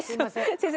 先生